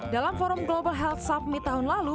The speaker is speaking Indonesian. dalam forum global health submit tahun lalu